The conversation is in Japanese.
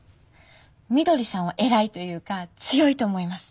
みどりさんは偉いというか強いと思います。